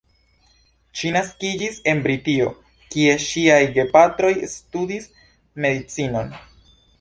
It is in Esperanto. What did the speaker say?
Ŝi naskiĝis en Britio kie ŝiaj gepatroj studis medicinon.